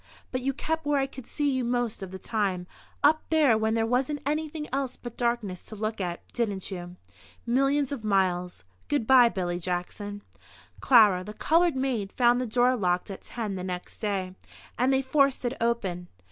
But you kept where I could see you most of the time up there when there wasn't anything else but darkness to look at, didn't you? ... Millions of miles ... Good bye, Billy Jackson." Clara, the coloured maid, found the door locked at 10 the next day, and they forced it open.